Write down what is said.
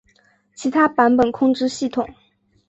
其他版本控制系统